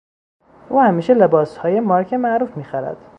او همیشه لباسهای مارک معروف میخرد.